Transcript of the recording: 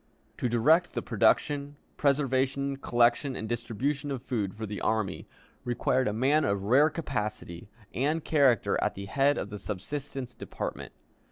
To direct the production, preservation, collection, and distribution of food for the army required a man of rare capacity and character at the head of the subsistence department.